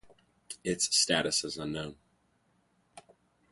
Its status is unknown.